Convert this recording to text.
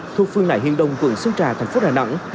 thuộc phương nại hiên đông quận sơn trà thành phố đà nẵng